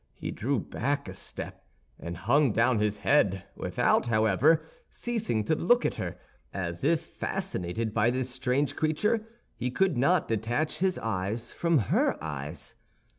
He drew back a step, and hung down his head, without, however, ceasing to look at her, as if, fascinated by this strange creature, he could not detach his eyes from her eyes.